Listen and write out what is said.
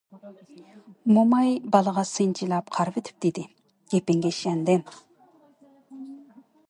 موماي بالىغا سىنچىلاپ قارىۋېتىپ دېدى:-گېپىڭگە ئىشەندىم.